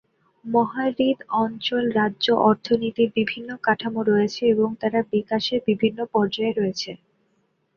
মহা হ্রদ অঞ্চল রাজ্য অর্থনীতির বিভিন্ন কাঠামো রয়েছে এবং তারা বিকাশের বিভিন্ন পর্যায়ে রয়েছে।